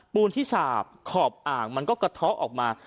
ปูนที่สาบขอบอ่างมันก็กระเทาะออกมา